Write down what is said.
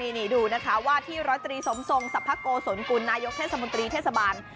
เยอะมากนี่ดูนะคะว่าที่รตรีสมทรงสรรพโกสนกุลนายกเทศบัน